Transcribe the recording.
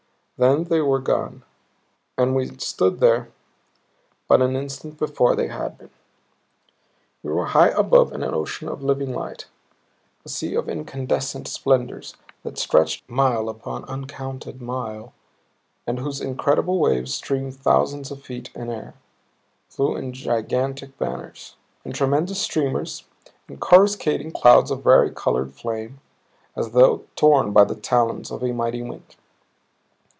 Then they were gone and we stood where but an instant before they had been. We were high above an ocean of living light a sea of incandescent splendors that stretched mile upon uncounted mile away and whose incredible waves streamed thousands of feet in air, flew in gigantic banners, in tremendous streamers, in coruscating clouds of varicolored flame as though torn by the talons of a mighty wind.